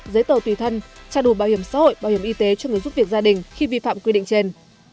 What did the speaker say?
giấy tờ tùy thân trả đủ bảo hiểm xã hội bảo hiểm y tế cho người giúp việc gia đình khi vi phạm quy định trên